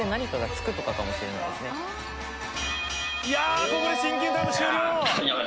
いやここでシンキングタイム終了。